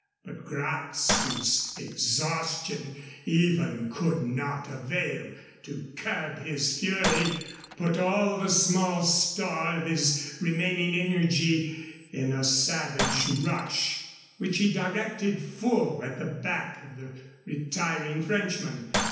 But Gratz, whose exhaustion even could not avail to curb his fury, put all the small store of his remaining energy into a savage rush, which he directed full at the back of the retiring Frenchman.